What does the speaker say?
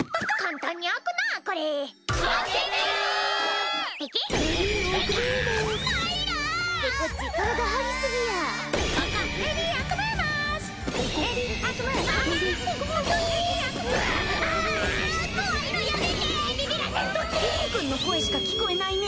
ぺこくんの声しか聞こえないね。